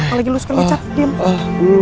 malah iluskan ucap diam